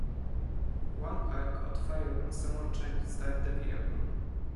One car caught fire when someone tried to start the vehicle.